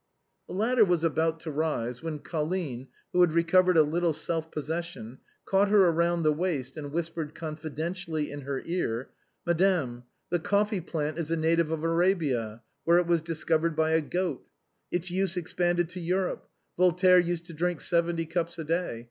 The latter was about to rise, when Colline, who had recovered a little self possession, caught her round the waist and whispered confidentially in her ear: " Madame, the coffee plant is a native of Arabia, where it was discovered by a goat. Its use extended to Europe. Voltaire used to drink seventy cups a day.